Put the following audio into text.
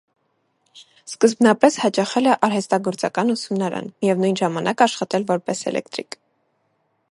Սկզբնապես հաճախել է արհեստագործական ուսումնարան, միևնույն ժամանակ աշխատել որպես էլեկտրիկ։